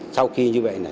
sau khi như vậy là